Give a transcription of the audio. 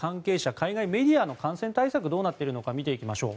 海外メディアの感染対策がどうなっているのか見ていきましょう。